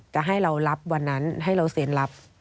จะให้เรารับวันนั้นให้เราเซ็นรับ